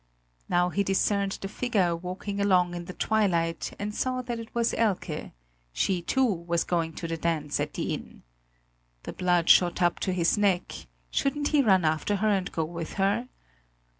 Now he discerned the figure walking along in the twilight, and saw that it was Elke; she, too, was going to the dance at the inn. The blood shot up to his neck; shouldn't he run after her and go with her?